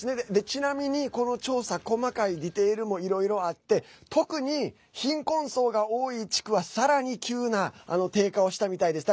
ちなみに、この調査細かいディテールもいろいろあって特に、貧困層が多い地区はさらに急な低下をしたみたいです。